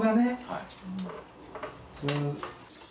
はい。